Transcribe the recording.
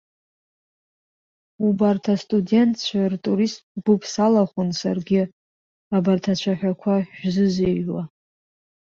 Убарҭ астудентцәа ртуристтә гәыԥ салахәын саргьы, абарҭ ацәаҳәақәа шәзызҩуа.